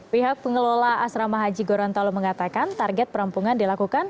pihak pengelola asrama haji gorontalo mengatakan target perampungan dilakukan